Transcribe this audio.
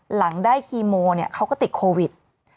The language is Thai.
หลังได้คีโมเนี่ยเขาก็ติดโควิด